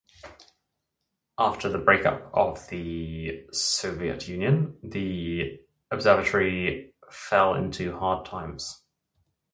After the breakup of the Soviet Union, the observatory fell into hard times.